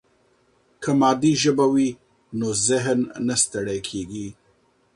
که مادي ژبه وي نو ذهن نه ستړی کېږي.